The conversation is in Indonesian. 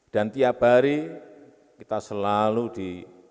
dan tiap hari kita selalu di